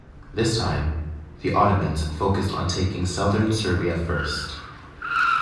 This time, the Ottomans focused on taking southern Serbia first.